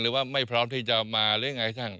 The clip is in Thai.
หรือว่าไม่พร้อมที่จะมาหรือยังไงช่าง